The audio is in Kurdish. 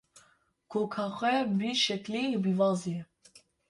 Koka xwe bi şeklê pîvazê ye